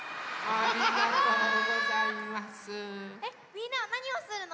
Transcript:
みんなはなにをするの？